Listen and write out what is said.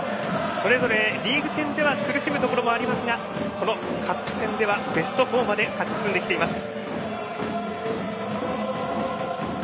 それぞれリーグ戦では苦しむところもありますがこのカップ戦ではベスト４まで勝ち進んできています。